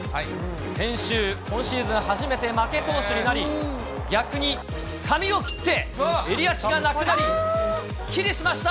先週、今シーズン初めて負け投手になり、逆に髪を切って、襟足がなくなり、すっきりしました。